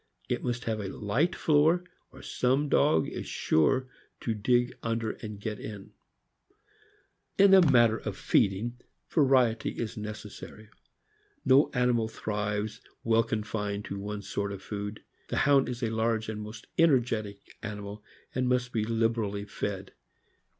It must have a light floor, or some dog is sure to dig under and get in. 206 THE AMERICAN BOOK OF THE DOG. In the matter of feeding, variety is necessary. No animal thrives well confined to one sort of food. The Hound is a large and most energetic animal, and must be liberally fed.